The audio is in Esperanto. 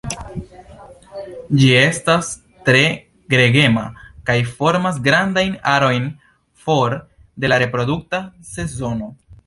Ĝi estas tre gregema, kaj formas grandajn arojn for de la reprodukta sezono.